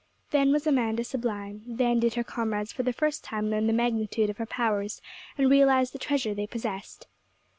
Then was Amanda sublime; then did her comrades for the first time learn the magnitude of her powers, and realise the treasure they possessed.